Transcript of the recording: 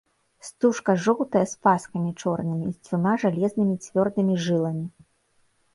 Стужка жоўтая з паскамі чорнымі, з дзвюма жалезнымі цвёрдымі жыламі.